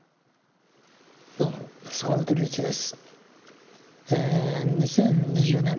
どうも、坂本龍一です。